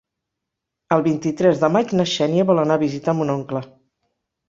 El vint-i-tres de maig na Xènia vol anar a visitar mon oncle.